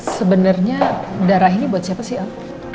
sebenarnya darah ini buat siapa sih om